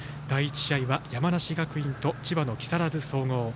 第１試合は山梨学院と千葉の木更津総合。